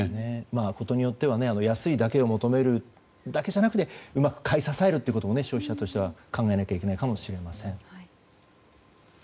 事によっては安さだけを求めるだけじゃなくてうまく買い支えるということも消費者としては考えなきゃいけないかもしれません。